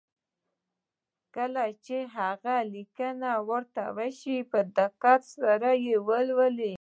کله چې هغې ليکنې ته ور شئ په دقت سره يې ولولئ.